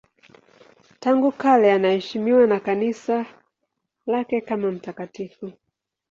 Tangu kale anaheshimiwa na Kanisa lake kama mtakatifu.